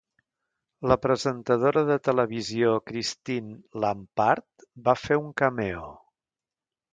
La presentadora de televisió Christine Lampard va fer un cameo.